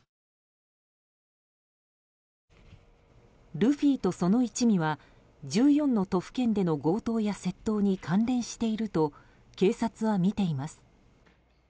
ルフィとその一味は１４の都府県での強盗や窃盗に関連していると警察は見ています。